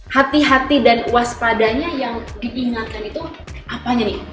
hati hati dan waspadanya yang diingatkan itu apanya nih